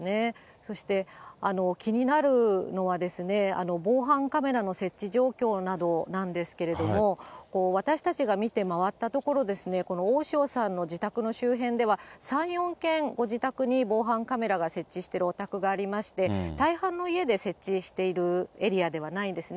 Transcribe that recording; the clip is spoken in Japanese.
そして、気になるのは、防犯カメラの設置状況などなんですけれども、私たちが見て回ったところ、この大塩さんの自宅の周辺では３、４軒、ご自宅に防犯カメラが設置してるお宅がありまして、大半の家で設置しているエリアではないんですね。